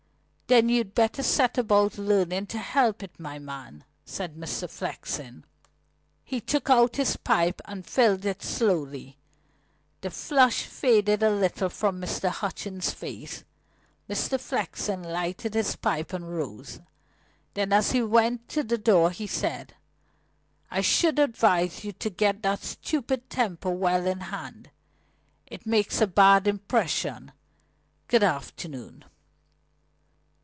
"Then you'd better set about learning to help it, my man," said Mr. Flexen. He took out his pipe and filled it slowly. The flush faded a little from Hutchings' face. Mr. Flexen lighted his pipe and rose. Then as he went to the door he said: "I should advise you to get that stupid temper well in hand. It makes a bad impression. Good afternoon."